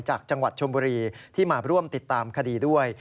จากจังหวัดชมบุรีที่มาร่วมติดตามคดีด้วย